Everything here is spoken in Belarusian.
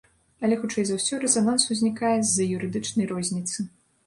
Але хутчэй за ўсё, рэзананс узнікае з-за юрыдычнай розніцы.